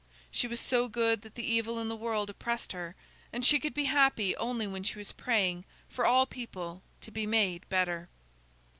She was so good that the evil in the world oppressed her, and she could be happy only when she was praying for all people to be made better.